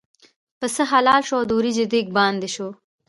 پسه حلال شو او د وریجو دېګ باندې شو.